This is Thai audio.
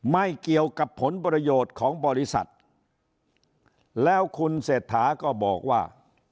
ไม่เกี่ยวกับผลประโยชน์ของบริษัทแล้วคุณเศรษฐาก็บอกว่า